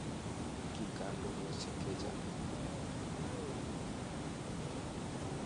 কী কাণ্ড হয়েছে কে জানে।